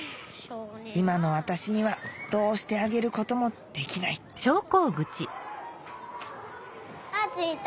今の私にはどうしてあげることもできないあーちんいた。